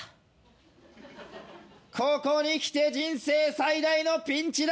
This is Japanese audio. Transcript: ここにきて人生最大のピンチだ！